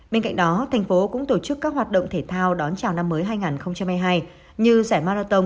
bên cạnh đó thành phố cũng tổ chức các hoạt động thể thao đón chào năm mới hai nghìn hai mươi hai như giải marathon